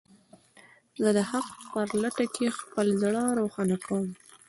زه د حق په لټه کې خپل زړه روښانه کوم.